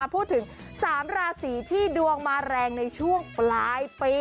พูดถึง๓ราศีที่ดวงมาแรงในช่วงปลายปี